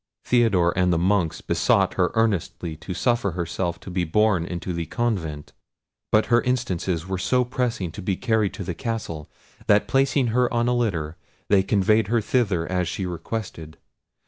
Theodore and the monks besought her earnestly to suffer herself to be borne into the convent; but her instances were so pressing to be carried to the castle, that placing her on a litter, they conveyed her thither as she requested.